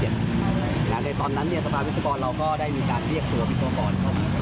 หลังจากตอนนั้นสภาวิศวกรเราก็ได้มีการเรียกตัววิศวกร